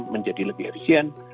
menjadi lebih efisien